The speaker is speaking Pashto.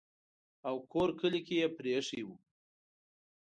او کور کلی یې پرې ایښی وو.